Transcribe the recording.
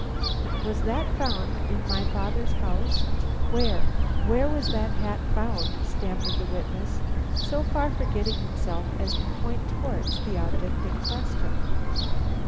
"Was that found in my father's house? Where where was that hat found?" stammered the witness, so far forgetting himself as to point towards the object in question.